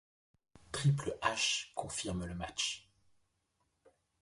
Triple H confirme le match.